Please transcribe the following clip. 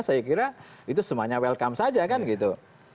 saya kira itu semuanya welcome saja kan gitu